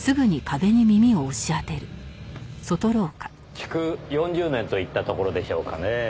築４０年といったところでしょうかねぇ。